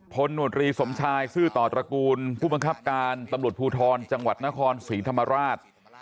นวตรีสมชายซื่อต่อตระกูลผู้บังคับการตำรวจภูทรจังหวัดนครศรีธรรมราช